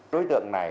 đối tượng này